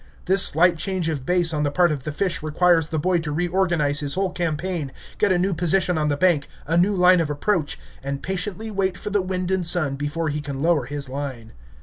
This slight change of base on the part of the fish requires the boy to reorganize his whole campaign, get a new position on the bank, a new line of approach, and patiently wait for the wind and sun before he can lower his line.